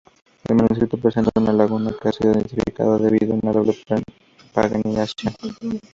El manuscrito presenta una laguna que ha sido identificada debido a una doble paginación.